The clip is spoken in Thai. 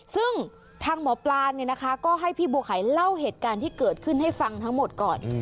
ซึ่งทางหมอปลาเนี่ยนะคะก็ให้พี่บัวไข่เล่าเหตุการณ์ที่เกิดขึ้นให้ฟังทั้งหมดก่อน